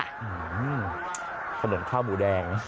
อื้อหือถนนข้าวหมูแดง